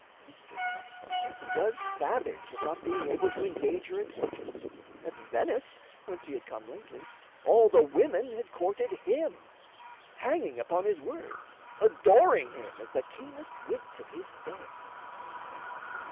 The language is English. Mr. Topsparkle was savage at not being able to engage her attention. At Venice, whence he had come lately, all the women had courted him, hanging upon his words, adoring him as the keenest wit of his day.